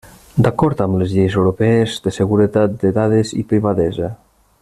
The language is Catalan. D'acord amb les lleis europees de seguretat de dades i privadesa.